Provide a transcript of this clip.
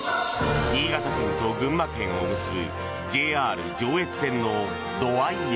新潟県と群馬県を結ぶＪＲ上越線の土合駅。